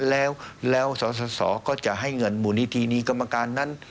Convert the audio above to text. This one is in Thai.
แล้วสสก็จะให้เงินมูลนิธินี้กรรมการนั้น